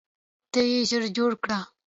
ته یې ژر جوړ کړه.